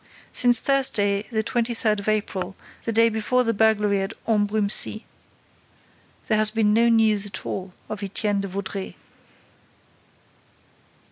Since Thursday the twenty third of April, the day before the burglary at Ambrumésy, there has been no news at all of Étienne de Vaudreix.